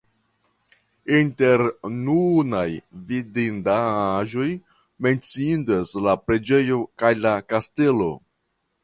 Inter nunaj vidindaĵoj menciindas la preĝejo kaj la kastelo.